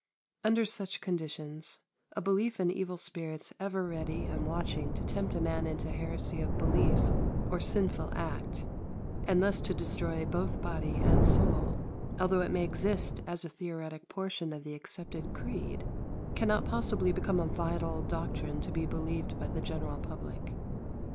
Under such conditions, a belief in evil spirits ever ready and watching to tempt a man into heresy of belief or sinful act, and thus to destroy both body and soul, although it may exist as a theoretic portion of the accepted creed, cannot possibly become a vital doctrine to be believed by the general public.